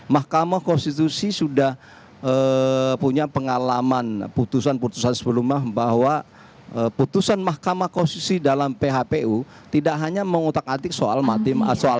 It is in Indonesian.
mahkamah konstitusi sudah punya pengalaman putusan putusan sebelumnya bahwa putusan mahkamah konstitusi dalam phpu tidak hanya mengutak atik soal matim